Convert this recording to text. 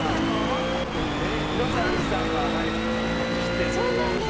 で広瀬アリスさんは「ＬＩＦＥ！」初出演でございますが。